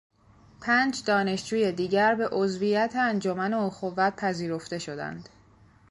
پنج دانشجوی دیگر به عضویت انجمن اخوت پذیرفته شدند.